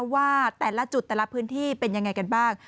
ว่าแต่ละจุดแต่ละพื้นที่เป็นยังไงกันบ้าง